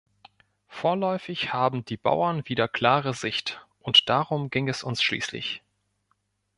Vorläufig haben die Bauern wieder klare Sicht, und darum ging es uns schließlich.